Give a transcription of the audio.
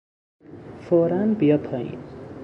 فورا بیا پایین!